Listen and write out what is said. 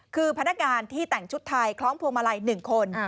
คือพนักงานที่แต่งชุดไทยคล้องพวงมาลัย๑คน